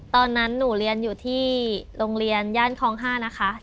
ตอนนั้นหนูเรียนอยู่ที่โรงเรียนย่านคลอง๕นะคะ